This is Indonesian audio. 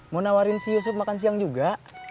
mau nawarin si yusuf makan siang juga